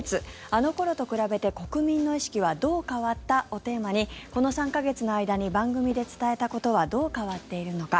あの頃と比べて国民の意識はどう変わった？をテーマにこの３か月の間に番組で伝えたことはどう変わっているのか。